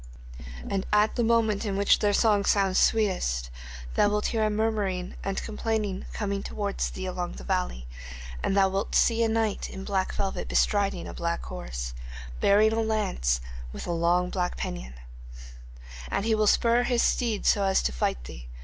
And at the moment in which their song sounds sweetest thou wilt hear a murmuring and complaining coming towards thee along the valley, and thou wilt see a knight in black velvet bestriding a black horse, bearing a lance with a black pennon, and he will spur his steed so as to fight thee.